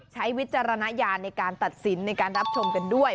วิจารณญาณในการตัดสินในการรับชมกันด้วย